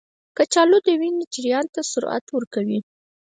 کچالو د وینې جریان ته سرعت ورکوي.